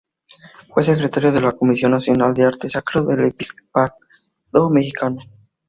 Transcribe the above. Fue secretario de la Comisión Nacional de Arte Sacro del Episcopado Mexicano.